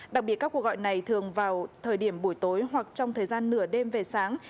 đặc biệt các cuộc gọi này thường vào thời điểm buổi tối hoặc trong thời gian nửa đêm về sáng